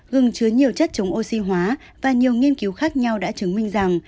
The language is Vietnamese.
gừng chứa nhiều chất chống oxy hóa và nhiều nghiên cứu khác nhau đã chứng minh rằng